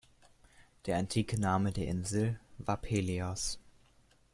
Der antike Name der Insel war "Pelias.